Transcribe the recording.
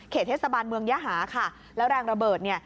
เทศบาลเมืองยหาค่ะแล้วแรงระเบิดเนี่ย